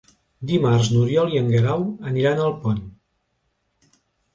Dimarts n'Oriol i en Guerau aniran a Alpont.